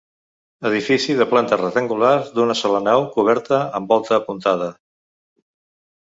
Edifici de planta rectangular, d'una sola nau coberta amb volta apuntada.